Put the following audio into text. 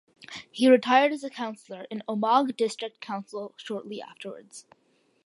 He retired as a councillor in Omagh District Council shortly afterwards.